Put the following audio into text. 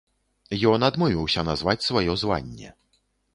Ён адмовіўся назваць сваё званне.